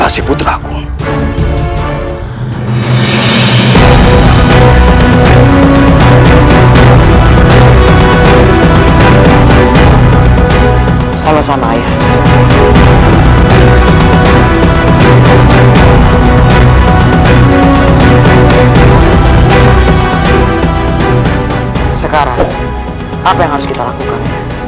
sekarang apa yang harus kita lakukan